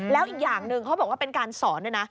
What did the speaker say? แล้วอีกอย่างหนึ่งเขาบอกว่าเป็นการสอนด้วยนะ